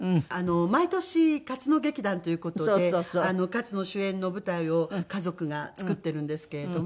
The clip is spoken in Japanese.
毎年勝野劇団という事で勝野主演の舞台を家族が作っているんですけれども。